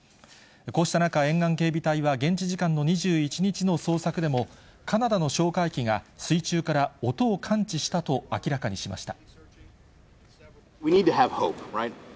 こうした中、沿岸警備隊は現地時間の２１日の捜索でも、カナダの哨戒機が水中から音を感知したと明らかにしました。